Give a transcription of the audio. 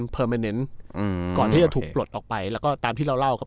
ไม่เน้นอืมก่อนที่จะถูกปลดออกไปแล้วก็ตามที่เราเล่าครับ